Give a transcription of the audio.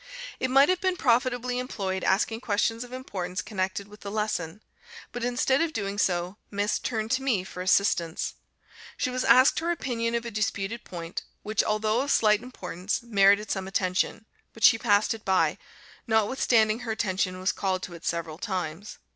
It might have been profitably employed asking questions of importance connected with the lesson; but instead of doing so, Miss turned to me for assistance. She was asked her opinion of a disputed point, which, although of slight importance, merited some attention; but she passed it by, notwithstanding her attention was called to it several times.